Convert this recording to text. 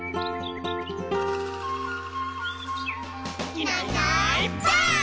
「いないいないばあっ！」